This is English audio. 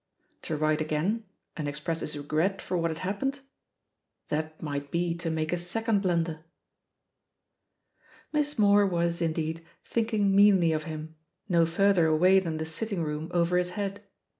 To write again and express his regret for what had happened? That might be to make a second blunder! Miss Moore was, indeed, thinking meanly of him no further away than the sitting room over his head.